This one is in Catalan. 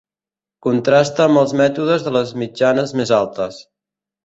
Contrasta amb els mètodes de les mitjanes més altes.